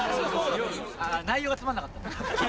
あ内容がつまんなかった。